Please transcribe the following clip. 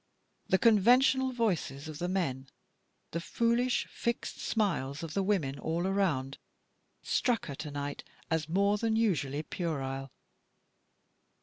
The conventional voices of the men, the foolish, fixed smiles of the women all around struck her to night as more than usually puerile.